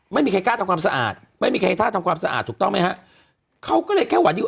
ไม่มีใครกล้าทำความสะอาดไม่มีใครกล้าทำความสะอาดถูกต้องไหมฮะเขาก็เลยแค่หวังดี